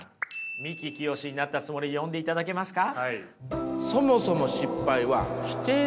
三木清になったつもりで読んでいただけますか。